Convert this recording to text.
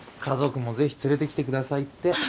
家族も是非連れてきてくださいって。